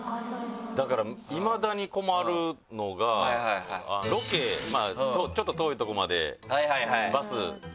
だからいまだに困るのがロケちょっと遠いとこまでバスでみんなで。